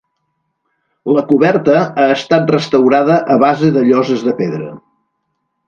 La coberta ha estat restaurada a base de lloses de pedra.